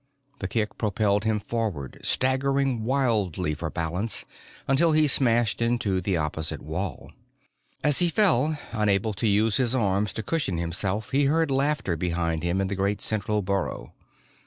The kick propelled him forward, staggering wildly for balance, until he smashed into the opposite wall. As he fell, unable to use his arms to cushion himself, he heard laughter behind him in the great central burrow.